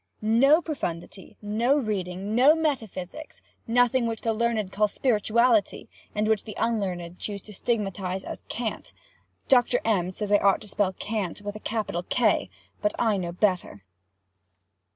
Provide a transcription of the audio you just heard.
No profundity, no reading, no metaphysics—nothing which the learned call spirituality, and which the unlearned choose to stigmatize as cant. [Dr. M. says I ought to spell "cant" with a capital K—but I know better.